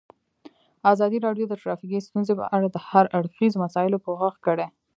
ازادي راډیو د ټرافیکي ستونزې په اړه د هر اړخیزو مسایلو پوښښ کړی.